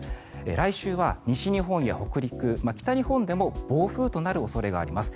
来週は西日本や北陸、北日本でも暴風となる恐れがあります。